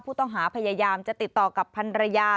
ผู้ต้องหาพยายามจะติดต่อกับพันรยา